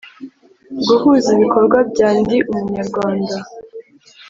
guhuza ibikorwa bya Ndi Umunyarwanda